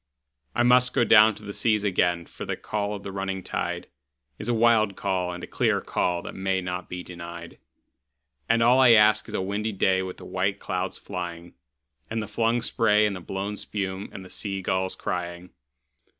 I must down go to the seas again, for the call of the running tide Is a wild call and a clear call that may not be denied; And all I ask is a windy day with the white clouds flying, And the flung spray and the blown spume, and the sea gulls crying.